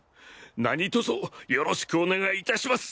何卒よろしくお願いいたします！